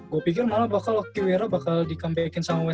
gue pikir malah bakal okiwira bakal di comeback in sama okiwira